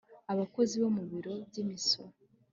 abakozi bo mu biro by'imisoro